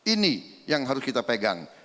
ini yang harus kita pegang